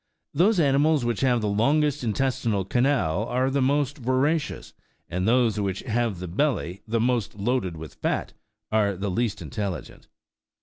Those animals which have the longest intestinal canal, are the most voracious ; and those which have the belly the most loaded with fat, are the least intelligent.